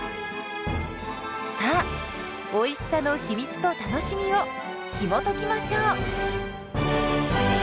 さあおいしさの秘密と楽しみをひもときましょう！